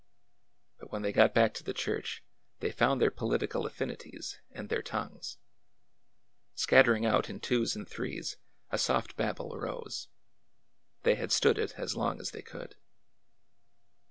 But when they got back to the church they found their political affinities and their tongues. Scattering out in twos and threes, a soft babel arose. They had stood it as long as they could.